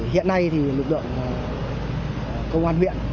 hiện nay lực lượng công an huyện